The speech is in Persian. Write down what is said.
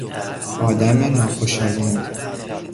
آدم ناخوشایند